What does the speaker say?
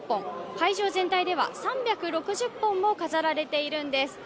会場全体では３６０本も飾られているんです。